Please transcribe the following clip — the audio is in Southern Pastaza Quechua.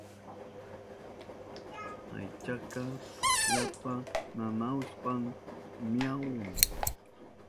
Aychanka yapa nanahushpan kihahun.